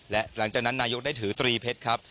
และหลังจากนั้นนายกได้ถือตรีเพชรครับ